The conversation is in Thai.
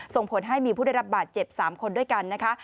ส่งผลให้มีผู้ได้รับบาดเจ็บ๓คนด้วยกันนะคะ